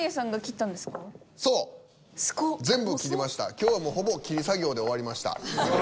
今日はもうほぼ切り作業で終わりました。